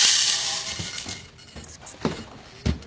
すいません。